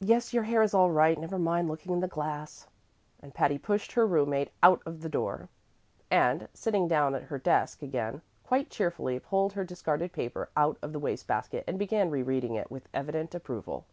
Yes, your hair is all right; never mind looking in the glass." And Patty pushed her room mate out of the door, and, sitting down at her desk again, quite cheerfully pulled her discarded paper out of the waste basket and began re reading it with evident approval.